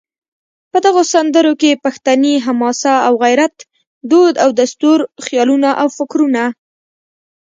په دغو سندرو کې پښتني حماسه او غیرت، دود او دستور، خیالونه او فکرونه